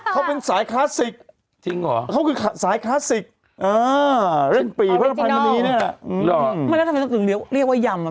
เขาเป็นสายคลาสสิกนี่แหละอืมไม่แล้วทำไมสักอย่างเรียกว่ายำ